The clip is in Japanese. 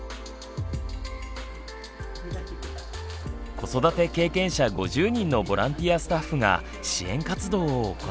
子育て経験者５０人のボランティアスタッフが支援活動を行っています。